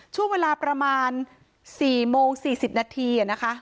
ช่วงเวลาประมาณ๔โมง๔๐นาทีนะคะ